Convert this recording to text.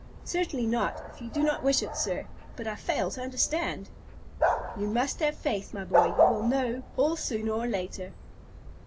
"Certainly not, if you do not wish it, sir; but I fail to understand." "You must have faith, my boy. You will know all sooner or later."